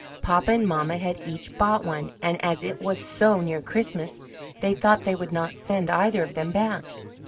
Papa and mamma had each bought one, and as it was so near Christmas they thought they would not send either of them back.